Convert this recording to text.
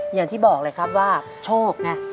อย่างที่บอกเลยครับว่าโชคไง